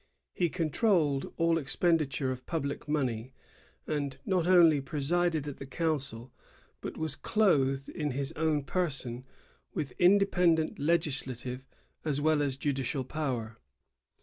He controlled all expenditure of public money, and not only presided at the council, but was clothed in his own person with independent legislative as well as judicial power.